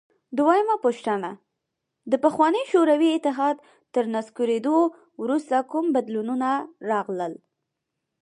دویمه پوښتنه: د پخواني شوروي اتحاد تر نسکورېدو وروسته کوم بدلونونه راغلل؟